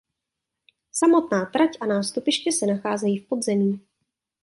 Samotná trať a nástupiště se nacházejí v podzemí.